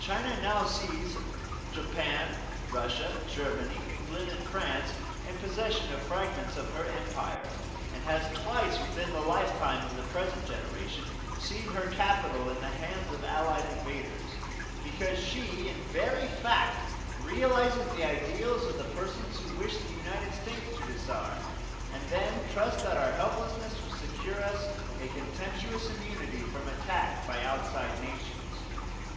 China now sees Japan, Russia, Germany, England and France in possession of fragments of her empire, and has twice within the lifetime of the present generation seen her capital in the hands of allied invaders, because she in very fact realizes the ideals of the persons who wish the United States to disarm, and then trust that our helplessness will secure us a contemptuous immunity from attack by outside nations.